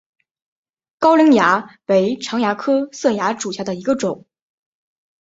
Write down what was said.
高梁蚜为常蚜科色蚜属下的一个种。